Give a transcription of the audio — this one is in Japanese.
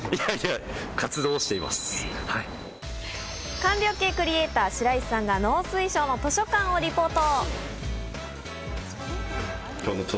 官僚系クリエイター・白石さんが、農水省の図書館をリポート。